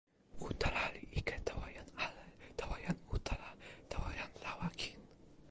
utala li ike tawa jan ale, tawa jan utala, tawa jan lawa kin.